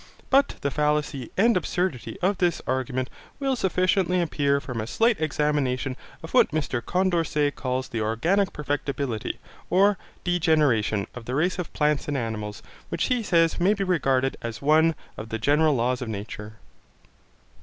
But the fallacy and absurdity of this argument will sufficiently appear from a slight examination of what Mr Condorcet calls the organic perfectibility, or degeneration, of the race of plants and animals, which he says may be regarded as one of the general laws of nature.